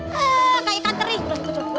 hah kaya ikan kering